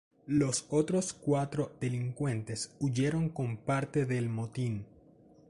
Los otros cuatro delincuentes huyeron con parte del motín.